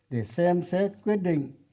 để xem xét quyết định